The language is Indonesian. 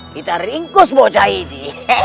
kita ringkus bocah ini